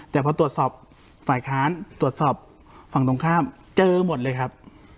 แต่พอตรวจสอบฝ่ายค้านตรวจสอบฝั่งตรงข้ามเจอหมดเลยครับ